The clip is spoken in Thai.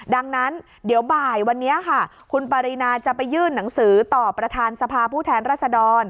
ดังนั้นเดี๋ยวบ่ายวันนี้ค่ะคุณปรินาจะไปยื่นหนังสือต่อประธานสภาผู้แทนรัศดร